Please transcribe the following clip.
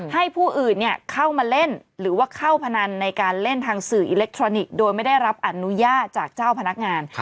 ให้ผู้อื่นเข้ามาเล่นหรือว่าเข้าพนันในการเล่นทางสื่ออิเล็กทรอนิกส์โดยไม่ได้รับอนุญาตจากเจ้าพนักงาน